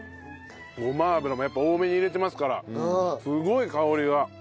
ごま油もやっぱ多めに入れてますからすごい香りが。